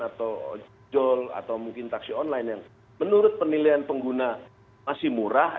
atau jol atau mungkin taksi online yang menurut penilaian pengguna masih murah